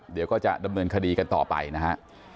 เดี๋ยวก็จะดำเนินคดีกันต่อไปนะฮะ